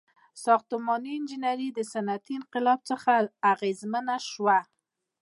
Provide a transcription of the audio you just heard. • ساختماني انجینري د صنعتي انقلاب څخه اغیزمنه شوه.